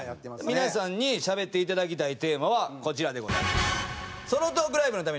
皆さんにしゃべっていただきたいテーマはこちらでございます。